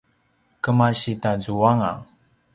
kemasi tazuanga